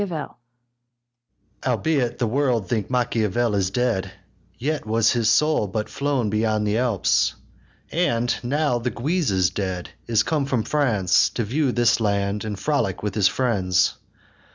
Albeit the world think Machiavel is dead, Yet was his soul but flown beyond the Alps; And, now the Guise is dead, is come from France, To view this land, and frolic with his friends.